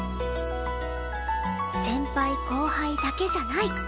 先輩後輩だけじゃない